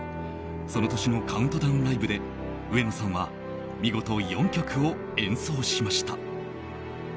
その年のカウントダウンライブで上野さんは見事４曲を演奏しました。